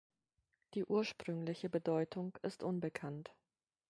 Die ursprüngliche Bedeutung ist unbekannt.